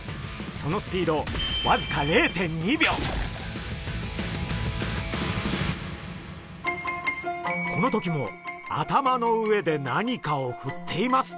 そのスピードわずかこの時も頭の上で何かをふっています。